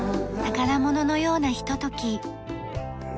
宝物のようなひととき。